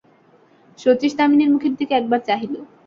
শচীশ দামিনীর মুখের দিকে একবার চাহিল।